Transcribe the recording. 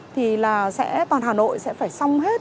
thì toàn hà nội sẽ phải xong hết